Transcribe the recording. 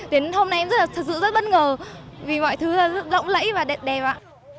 đến hôm nay em thật sự rất bất ngờ vì mọi thứ rất rộng lẫy và đẹp ạ